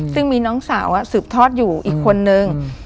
ซึ่งมีน้องสาวสืบทอดอยู่อีกคนนึง